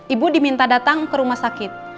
ibu diminta datang ke rumah sakit